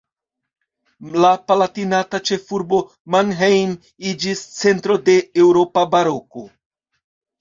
La palatinata ĉefurbo Mannheim iĝis centro de eŭropa baroko.